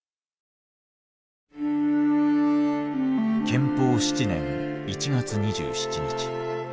建保７年１月２７日。